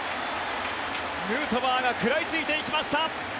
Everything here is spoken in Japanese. ヌートバーが食らいついていきました。